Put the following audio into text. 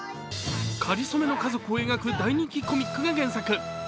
かりそめの家族を描く大人気コミックが原作。